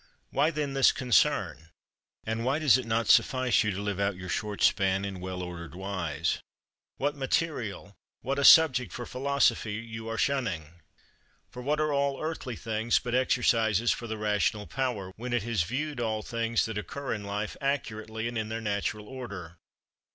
Why then this concern? And why does it not suffice you to live out your short span in well ordered wise? What material, what a subject for Philosophy you are shunning! For what are all earthly things but exercises for the rational power, when it has viewed all things that occur in life accurately and in their natural order?